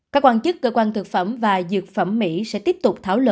các quan chức cơ quan thực phẩm và dược phẩm mỹ sẽ tiếp tục thảo luận